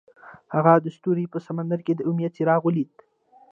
هغه د ستوري په سمندر کې د امید څراغ ولید.